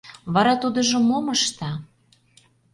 Вара тудыжо мом ышта?